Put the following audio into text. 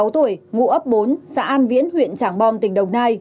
năm mươi sáu tuổi ngũ ấp bốn xã an viễn huyện trảng bom tỉnh đồng nai